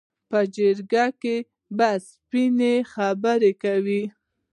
په جرګه کې به سپینې خبرې کوي.